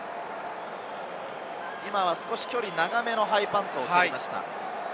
少し距離長めのハイパントを蹴りました。